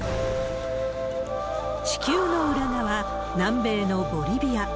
地球の裏側、南米のボリビア。